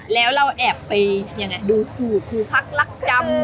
แล้วเราแอบไปดูสูตรคือพักลักจำ